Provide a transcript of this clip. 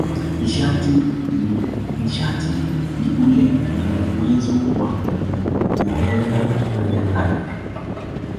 Nishati ni ule uwezo wa kuweza kufanya kazi.